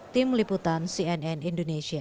tim liputan cnn indonesia